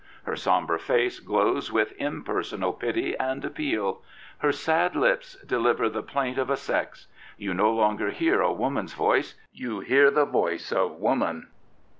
Her sombre face glows with impersonal pity and appeal; her sad lips deliver the plaint of a sex. You no longer hear a woman's voice: you hear the voice of woman.